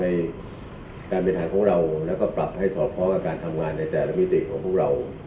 ในการบริหารของเราแล้วก็ปรับให้สอดคล้องกับการทำงานในแต่ละมิติของพวกเรา